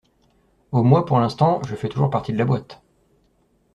Oh, moi, pour l’instant, je fais toujours partie de la boîte.